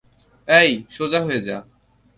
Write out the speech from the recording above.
এই, সোজা হয়ে যা।